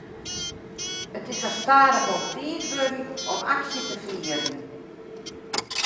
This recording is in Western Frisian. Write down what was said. It is sa stadichoan tiid wurden om aksje te fieren.